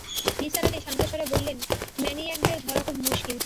নিসার আলি শান্ত স্বরে বললেন, ম্যানিয়াকদের ধরা খুব মুশকিল।